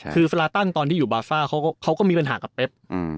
คือสลาตันตอนที่อยู่บาฟ่าเขาก็มีปัญหากับเป๊บ